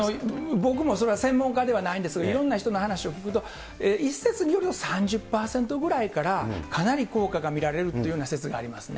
僕もそれは専門家ではないんですが、いろんな人の話を聞くと、一説によると３０％ぐらいからかなり効果が見られるっていうような説がありますね。